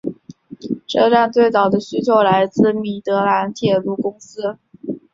车站最早的需求来自米德兰铁路公司。